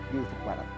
di ufuk barat